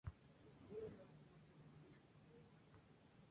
Al llegar lo que encontró fue el deporte del que ahora es figura panamericana.